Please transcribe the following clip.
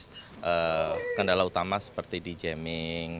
terus kendala utama seperti di jamming